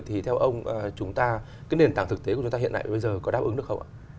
thì theo ông nền tảng thực tế của chúng ta hiện nay có đáp ứng được không ạ